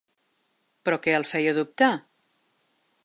Però què el feia dubtar?